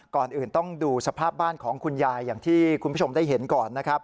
ก่อนอื่นต้องดูสภาพบ้านของคุณยายอย่างที่คุณผู้ชมได้เห็นก่อนนะครับ